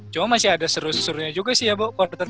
cuma masih ada seru serunya juga sih ya bo quarter tiga